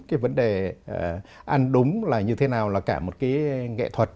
cái vấn đề ăn đúng là như thế nào là cả một cái nghệ thuật